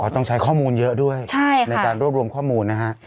ต้องใช้ข้อมูลเยอะด้วยในการรวบรวมข้อมูลนะฮะ